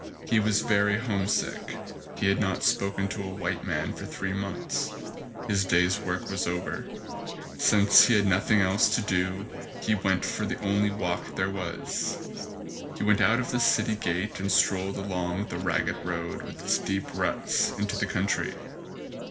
He was very homesick. He had not spoken to a white man for three months. His day's work was over. Since he had noth ing else to do he went for the only walk there was. He went out of the city gate and strolled along the ragged road, with its deep ruts, into the country.